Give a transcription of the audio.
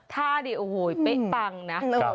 ท่าดิโอ้โหเป๊ะปังนะ